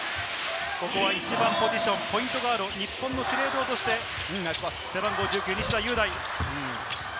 ここは一番ポジション、ポイントガード、日本の司令塔として背番号１９、西田優大。